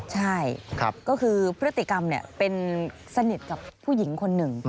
ใช่ก็คือพฤติกรรมเป็นสนิทกับผู้หญิงคนหนึ่ง